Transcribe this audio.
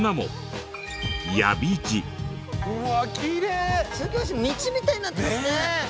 スタジオ道みたいになってますね。